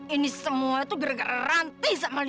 ini semua tuh gara gara ranti sama lina